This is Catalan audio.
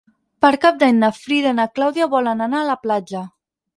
Per Cap d'Any na Frida i na Clàudia volen anar a la platja.